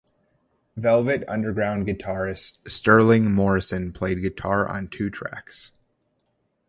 Velvet Underground guitarist Sterling Morrison played guitar on two tracks.